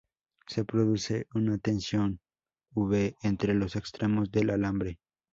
Se produce una tensión"V"entre los extremos del alambre.